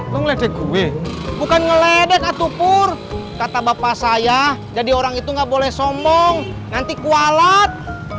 lo ngeledek gue bukan ngeledek atuh pur kata bapak saya jadi orang itu nggak boleh sombong nanti kualat